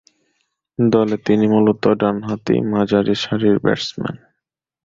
দলে তিনি মূলতঃ ডানহাতি মাঝারি সারির ব্যাটসম্যান।